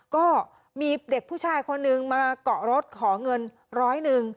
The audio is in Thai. ก็มีเด็กผู้ชายคนนึงมาเกาะรถขอเงินร้อยหนึ่ง